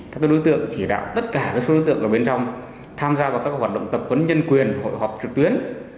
các đối tượng chỉ đạo tất cả các số đối tượng ở bên trong tham gia vào các hoạt động tập quấn nhân quyền hội họp trực tuyến